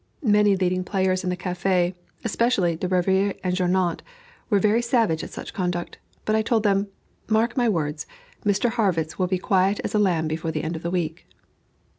Many leading players in the café, especially De Rivière and Journoud, were very savage at such conduct, but I told them "Mark my words, Mr. Harrwitz will be quiet as a lamb before the end of next week."